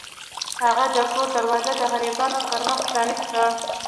هغه د کور دروازه د غریبانو پر مخ پرانیسته.